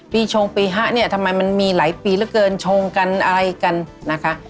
ชงปีฮะเนี่ยทำไมมันมีหลายปีเหลือเกินชงกันอะไรกันนะคะ